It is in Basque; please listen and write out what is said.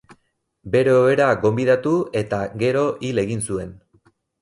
Bere ohera gonbidatu, eta gero hil egin zuen.